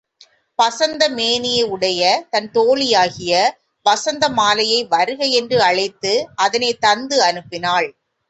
பசந்த மேனியை உடைய தன் தோழியாகிய வசந்த மாலையை வருக என்று அழைத்து அதனைத் தந்து அனுப்பினாள்.